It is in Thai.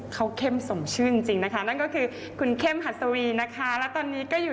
เขาเข้มสมชื่นจริงนะคะนั่นก็คือคุณเข้มหัสวีนะคะและตอนนี้ก็อยู่